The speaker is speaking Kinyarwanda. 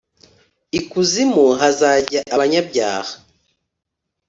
Ikuzimu hazajya abanyabyaha